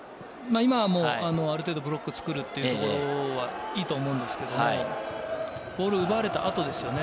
今、ある程度ブロックを作ることがいいと思うんですけれども、ボールを奪われた後ですよね。